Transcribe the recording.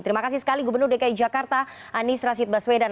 terima kasih sekali gubernur dki jakarta anies rashid baswedan